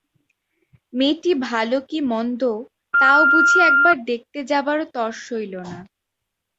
মেয়েটি ভালো কি মন্দ তাও বুঝি একবার দেখতে যাবারও তর সইল না।